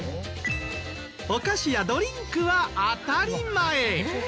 お菓子やドリンクは当たり前！